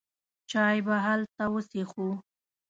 چای به هلته وڅېښو.